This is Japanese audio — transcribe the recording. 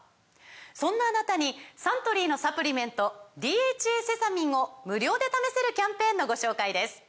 そんなあなたにサントリーのサプリメント「ＤＨＡセサミン」を無料で試せるキャンペーンのご紹介です